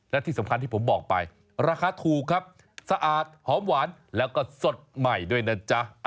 และที่สำคัญที่ผมบอกไปราคาถูกครับสะอาดหอมหวานแล้วก็สดใหม่ด้วยนะจ๊ะ